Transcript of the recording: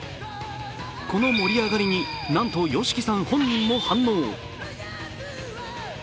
この盛り上がりになんとＹＯＳＨＩＫＩさん本人も反応。